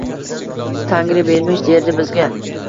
Tangri bermish, derdi, bizga